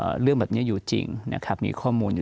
เรื่องแบบเนี้ยอยู่จริงนะครับมีข้อมูลอยู่